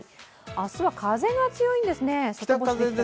明日は風が強いんですね。